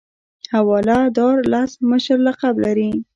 حواله دار لس مشر لقب لري.